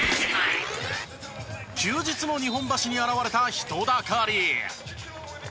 休日の日本橋に現れた人だかり。